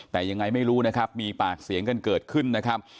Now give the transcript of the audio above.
แต่ยังไงไม่รู้นะครับมีปากเสียงกันเกิดขึ้นนะครับ